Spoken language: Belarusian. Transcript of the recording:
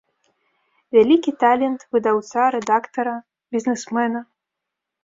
Вялікі талент выдаўца, рэдактара, бізнэсмена.